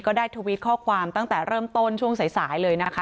ได้ทวิตข้อความตั้งแต่เริ่มต้นช่วงสายเลยนะคะ